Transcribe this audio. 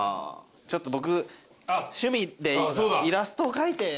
ちょっと僕趣味でイラストを描いてまして。